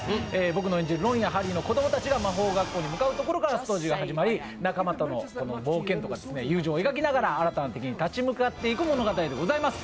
僕の演じるロンやハリーの子供たちが魔法学校に向かうところからストーリーが始まり、仲間との冒険とか、新たな敵に立ち向かっていく物語でございます。